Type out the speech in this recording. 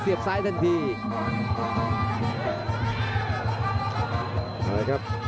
อันนี้พยายามจะเน้นข้างซ้ายนะครับ